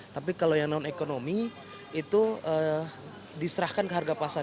tapi kalau yang non ekonomi itu diserahkan ke harga pasar